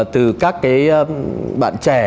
từ các bạn trẻ